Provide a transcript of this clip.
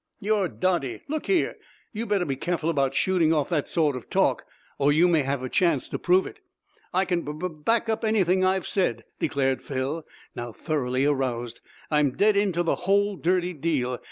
"You're dotty. Look here, you better be careful about shooting off that sort of talk, or you may have a chance to prove it." "I can bub back up anything I've said," declared Phil, now thoroughly aroused. "I'm dead onto the whole dirty deal.